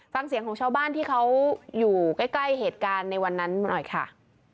ฟังเสียงของชาวบ้านที่เขาอยู่ใกล้เหตุการณ์ในวันนั้นหน่อยค่ะ